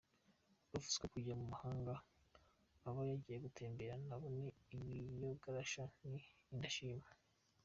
Abavuga ko kujya mu mahanga aba yagiye gutembera nabo ni ibiogarasha ni indashima.